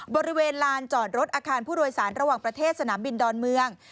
บริเวณลานจอดรถอาคารผู้โดยสารระหว่างประเทศสนามบินดอนเมือง